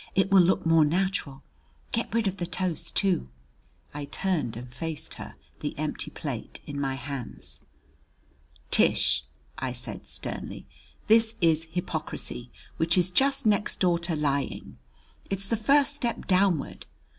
"It will look more natural. Get rid of the toast too." I turned and faced her, the empty plate in my hands. "Tish," I said sternly, "this is hypocrisy, which is just next door to lying. It's the first step downward.